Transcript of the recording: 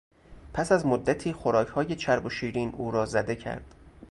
پس از مدتی خوراکهای چرب و شیرین او را زده کرد.